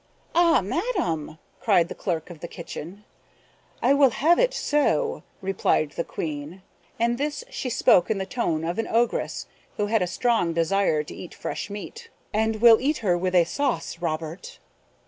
"Ah! madam," cried the clerk of the kitchen. "I will have it so," replied the Queen (and this she spoke in the tone of an Ogress who had a strong desire to eat fresh meat), "and will eat her with a sauce Robert."